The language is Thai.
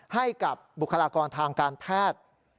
ให้กับบุคลากรทางการแพทย์